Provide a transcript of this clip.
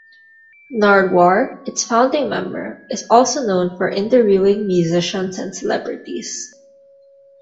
Nardwuar, its founding member, is also known for interviewing musicians and celebrities.